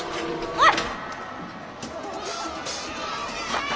おい！